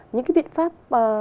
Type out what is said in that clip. những cái biện pháp